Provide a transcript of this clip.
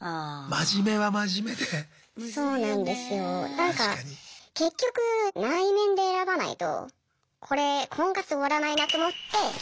何か結局内面で選ばないとこれ婚活終わらないなと思って。